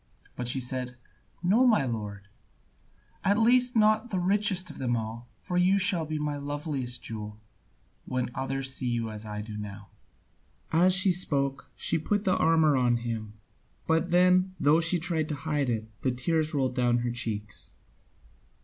But she said, "No, my lord, at least not the richest of them all, for you shall be my loveliest jewel, when others see you as I see you now." As she spoke, she put the armour on him, but then, though she tried to hide it, the tears rolled down her cheeks.